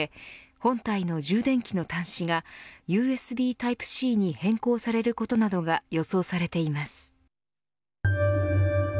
本体の充電器の端子がＵＳＢタイプＣに変更されることなどが予想されています。